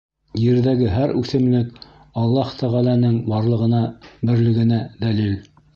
Ерҙәге һәр үҫемлек — Аллаһ Тәғәләнең барлығына, берлегенә дәлил.